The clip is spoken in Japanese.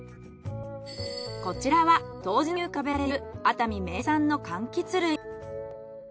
こちらは冬至に浮かべられている熱海名産の柑橘類。